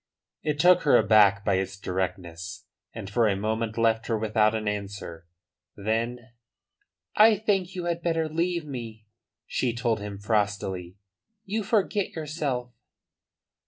It took her aback by its directness, and for a moment left her without an answer. Then: "I think you had better leave me," she told him frostily. "You forget yourself."